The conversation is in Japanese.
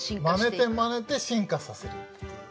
まねてまねて進化させるっていう。